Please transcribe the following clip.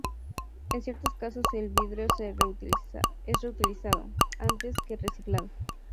En ciertos casos el vidrio es reutilizado, antes que reciclado.